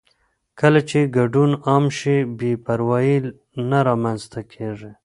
کله چې ګډون عام شي، بې پروايي نه رامنځته کېږي.